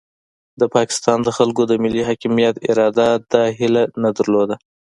د پاکستان د خلکو د ملي حاکمیت اراده دا هیله نه درلوده.